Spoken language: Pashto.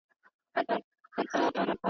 تمدنونه د پوهې له لارې پرمختګ کوي